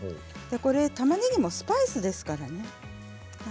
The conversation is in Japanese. たまねぎもスパイスですからね。